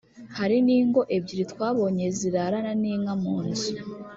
Hari n’ingo ebyiri twabonye zirarana n’inka mu nzu